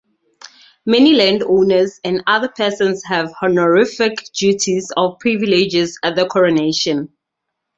Many landowners and other persons have honorific "duties" or privileges at the coronation.